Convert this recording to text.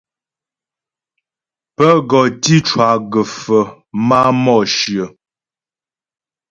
Pə́ gɔ tǐ cwa gə́fə máa Mǒshyə.